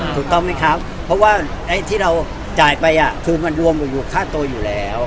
ถูกต้องไหมครับเพราะว่าไอ้ที่เราจ่ายไปคือมันรวมอยู่ค่าตัวอยู่แล้ว